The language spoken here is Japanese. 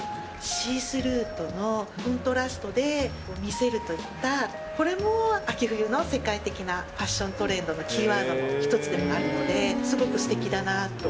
シースルーとのコントラストで見せるといったこれも秋冬の世界的なファッショントレンドのキーワードの一つでもあるので、すごくすてきだなと。